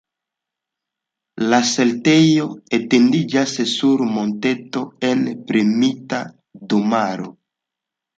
La setlejo etendiĝas sur monteto en premita domaro.